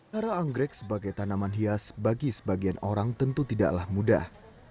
hara anggrek sebagai tanaman hias bagi sebagian orang tentu tidaklah mudah